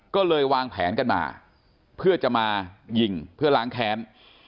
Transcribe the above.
ก็เลยวางแผนกันมาเพื่อจะมายิงเพื่อล้างแค้น